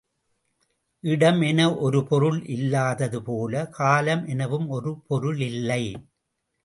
இடம் என ஒரு பொருள் இல்லாதது போலவே, காலம் எனவும் ஒரு பொருள் இல்லை.